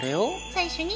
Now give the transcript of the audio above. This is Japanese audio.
最初に。